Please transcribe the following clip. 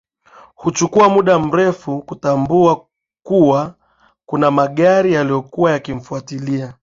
Hakuchukua muda mrefu kutambua kuwa kuna magari yalikuwa yakimfatilia